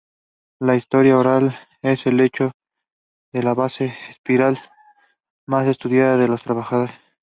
Taubman issued an apology for his use of inappropriate language in the clubhouse.